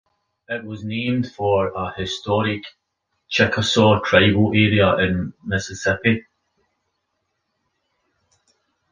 It was named for a historic Chickasaw tribal area in Mississippi.